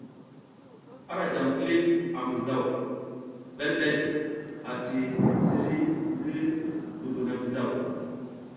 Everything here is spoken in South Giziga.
Ara jam kilif a mizaw ɓelɓel ati ziri ngi dubamizaw.